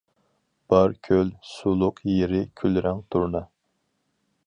باركۆل سۇلۇق يېرى كۈل رەڭ تۇرنا.